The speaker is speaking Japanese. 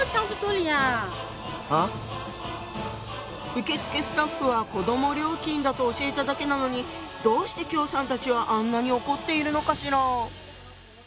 受付スタッフは子ども料金だと教えただけなのにどうして喬さんたちはあんなに怒っているのかしら？